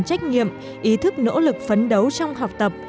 trách nhiệm ý thức nỗ lực phấn đấu trong học tập